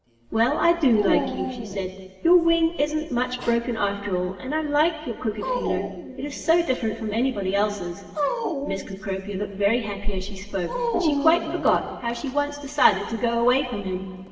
"Well, I do like you," she said. "Your wing isn't much broken after all, and I like your crooked feeler. It is so different from anybody else's." Miss Cecropia looked very happy as she spoke, and she quite forgot how she once decided to go away from him.